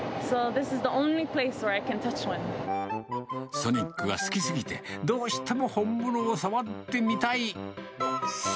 ソニックが好き過ぎて、どうしても本物を触ってみたい。